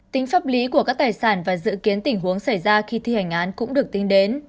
tính pháp lý của các tài sản và dự kiến tình huống xảy ra khi thi hành án cũng được tính đến